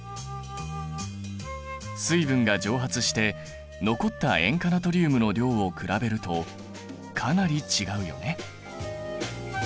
水分が蒸発して残った塩化ナトリウムの量を比べるとかなり違うよね。